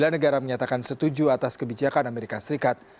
tiga negara menyatakan setuju atas kebijakan amerika serikat